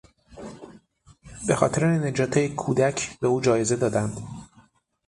به خاطرنجات یک کودک به او جایزه دادند.